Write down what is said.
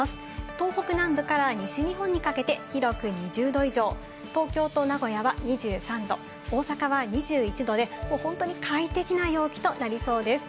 東北南部から西日本にかけて広く２０度以上、東京と名古屋は２３度、大阪は２１度で本当に快適な陽気となりそうです。